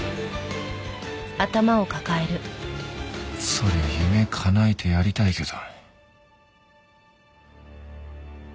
そりゃ夢かなえてやりたいけど。